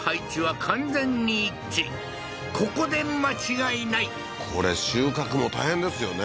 ここで間違いないこれ収穫も大変ですよね